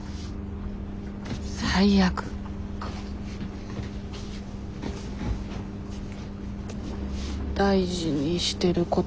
最悪大事にしてることとか？